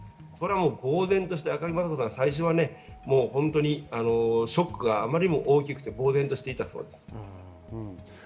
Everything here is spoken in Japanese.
ぼうぜんとして赤木雅子さんは最初、本当にショックがあまりにも大きくて呆然としていたそうです。